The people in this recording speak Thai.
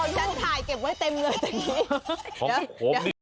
ฉันถ่ายเก็บไว้เต็มเลยตอนนี้